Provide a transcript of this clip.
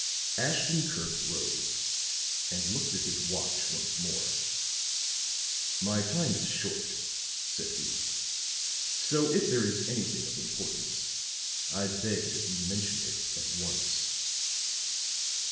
Ashton Kirk rose and looked at his watch once more. [Illustration: "MY TIME IS SHORT"] "My time is short," said he. "So if there is anything of importance, I beg that you mention it at once."